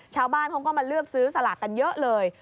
ชาวบ้านเขาก็มาเลือกซื้อสลากกันเยอะเลย